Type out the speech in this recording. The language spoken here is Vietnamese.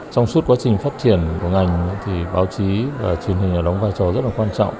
trong suốt quá trình phát triển của ngành thì báo chí và truyền hình đóng vai trò rất là quan trọng